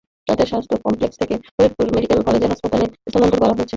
তাঁদের স্বাস্থ্য কমপ্লেক্স থেকে ফরিদপুর মেডিকেল কলেজ হাসপাতালে স্থানান্তর করা হয়েছে।